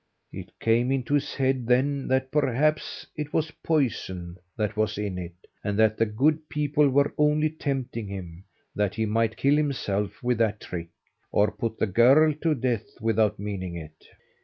It came into his head then that perhaps it was poison that was in it, and that the good people were only tempting him that he might kill himself with that trick, or put the girl to death without meaning it.